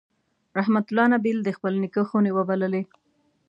رحمت الله د خپل نیکه خونې وبللې.